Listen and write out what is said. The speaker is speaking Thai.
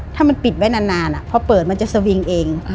อะถ้ามันปิดในนานก็เปิดมันจะสวิงเอง